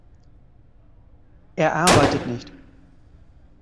Er arbeitet nicht.